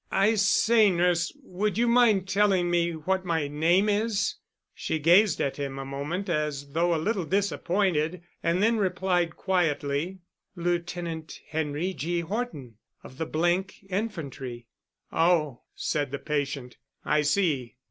"I say, nurse, would you mind telling me what my name is?" She gazed at him a moment as though a little disappointed and then replied quietly: "Lieutenant Henry G. Horton, of the —th Infantry." "Oh," said the patient, "I see."